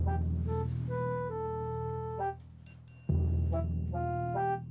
aku hari sekolah